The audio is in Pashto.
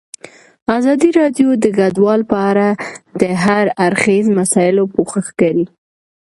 ازادي راډیو د کډوال په اړه د هر اړخیزو مسایلو پوښښ کړی.